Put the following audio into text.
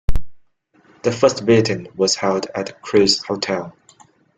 The first meeting was held at Craig's Hotel.